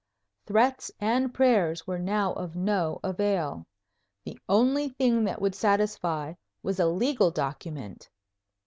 Threats and prayers were now of no avail. The only thing that would satisfy was a legal document!